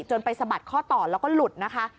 จนไปสะบัดข้อต่อแล้วก็หลุดนะคะ